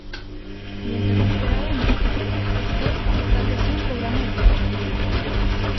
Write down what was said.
Mientras esperaba en Buffalo, Scott estableció un programa de entrenamiento.